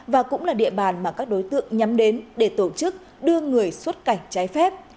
và cũng là địa bàn mà các đối tượng nhắm đến để tổ chức đưa người xuất cảnh trái phép